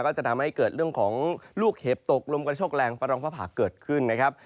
ก็จะทำให้เกิดเรื่องของลูกเห็บตกรวมกับชกแรงฝรองพระผักเกิดขึ้นนะครับ